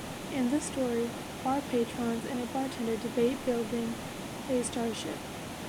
In the story, bar patrons and a bartender debate building a starship.